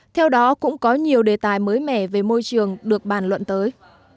theo đó cũng có nhiều đề tài mới mẻ về môi trường được bàn luận tới